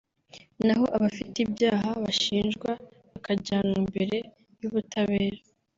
naho abafite ibyaha bashinjwa bakajyanwa imbere y’ubutabera